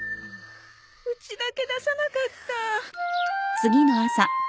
うちだけ出さなかった。